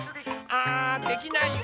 あできない。